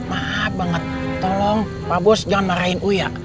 mah banget tolong pak bos jangan marahin u ya